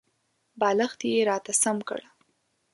بالښت یې راته سم کړ .